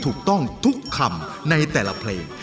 จะได้ไม่ต้องมีคนมาถวงหนี้แม่อีกค่ะ